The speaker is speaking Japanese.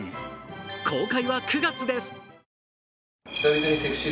公開は９月です。